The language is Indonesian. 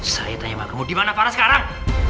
saya tanya bagaimana dimana farah sekarang